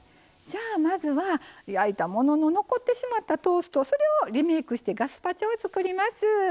じゃあまずは焼いたものの残ってしまったトーストそれをリメイクしてガスパチョを作ります。